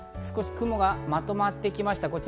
少し雲がまとまってきました。